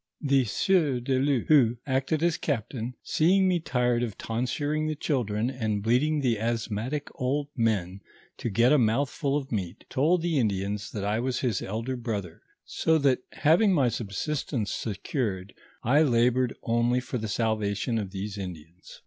The sieuv do Luth, who acted as captain, seeing me tired of ton suring the children, and bleeding asthmatic old men to get a mouthful of meat, told the Indians that I was his elder brother, 60 that, having my subsistence secured,! labored only for the salvation of these Indians.